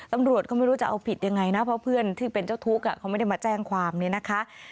ตำรวจก็ไม่รู้จะเอาผิดยังไงนะเพราะเพื่อนที่เป็นเจ้าทุกข์เขาไม่ได้มาแจ้งความเนี่ยนะคะ